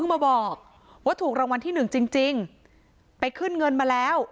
มาบอกว่าถูกรางวัลที่หนึ่งจริงจริงไปขึ้นเงินมาแล้ว